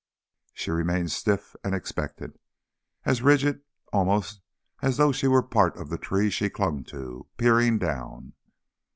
She remained stiff and expectant, as rigid almost as though she was a part of the tree she clung to, peering down.